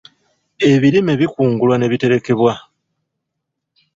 Ebirime bikungulwa ne biterekebwa.